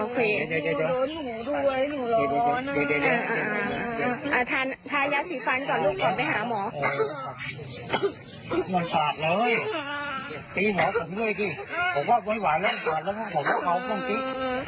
ผมว่าไว้หวานแล้วก็ผ่านแล้วผมว่าเขาต้องกิ๊ก